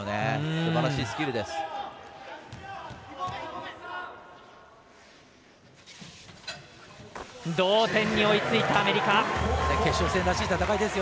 すばらしいスキルです。